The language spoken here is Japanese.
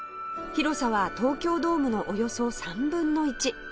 広さは東京ドームのおよそ３分の１